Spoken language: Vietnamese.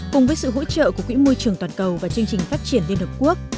cùng với sự hỗ trợ của quỹ môi trường toàn cầu và chương trình phát triển liên hợp quốc